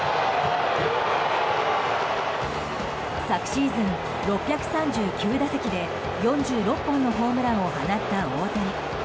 昨シーズン６３９打席で４６本のホームランを放った大谷。